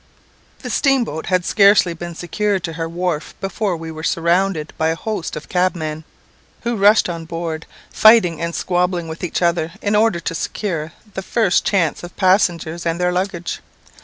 The steamboat had scarcely been secured to her wharf before we were surrounded by a host of cabmen, who rushed on board, fighting and squabbling with each other, in order to secure the first chance of passengers and their luggage.